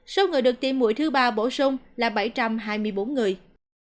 số người được tiêm mũi thứ ba bổ sung là bảy trăm hai mươi bốn người